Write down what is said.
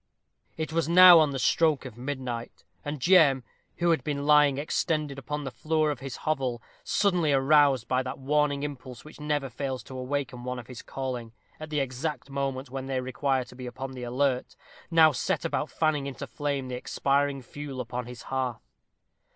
It was now on the stroke of midnight; and Jem, who had been lying extended upon the floor of his hovel, suddenly aroused by that warning impulse which never fails to awaken one of his calling at the exact moment when they require to be upon the alert, now set about fanning into flame the expiring fuel upon his hearth.